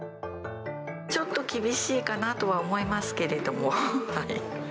ちょっと厳しいかなとは思いますけれども。